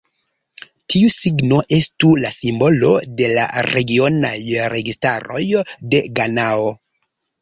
Tiu signo estu la simbolo de la regionaj registaroj de Ganao.